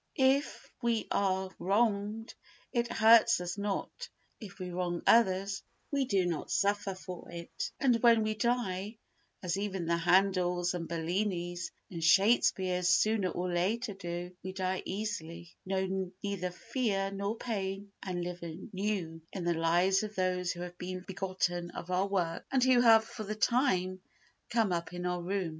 If we are wronged it hurts us not; if we wrong others, we do not suffer for it; and when we die, as even the Handels and Bellinis and Shakespeares sooner or later do, we die easily, know neither fear nor pain and live anew in the lives of those who have been begotten of our work and who have for the time come up in our room.